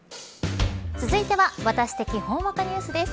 続いてはワタシ的ほんわかニュースです。